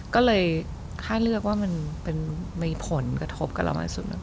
ก็เลยแค่เลือกว่ามันมีผลกระทบกับเรามากสุด